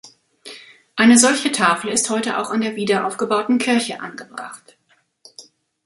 Eine solche Tafel ist heute auch an der wiederaufgebauten Kirche angebracht.